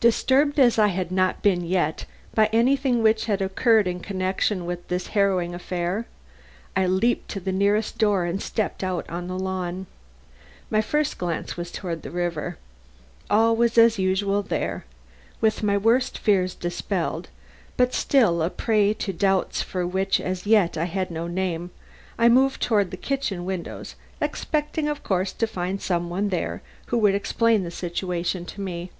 Disturbed as I had not been yet by anything which had occurred in connection with this harrowing affair, I leaped to the nearest door and stepped out on the lawn. My first glance was toward the river. All was as usual there. With my worst fears dispelled, but still a prey to doubts for which as yet I had no name, I moved toward the kitchen windows, expecting of course to find some one there who would explain the situation to me.